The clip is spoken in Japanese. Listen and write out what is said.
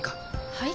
はい？